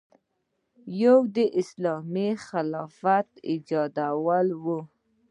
یو یې د اسلامي خلافت ایجادول و.